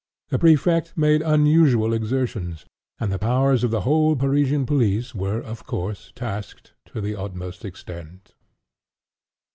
The Prefect made unusual exertions; and the powers of the whole Parisian police were, of course, tasked to the utmost extent.